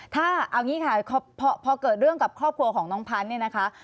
ถ้าเอาอย่างนี้ค่ะพอเกิดเรื่องกับครอบครัวของน้องพันธุ์เนี่ยนะคะ